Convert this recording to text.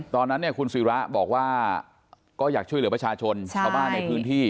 ตอนนั้นเนี่ยคุณศิระบอกว่าก็อยากช่วยเหลือประชาชนชาวบ้านในพื้นที่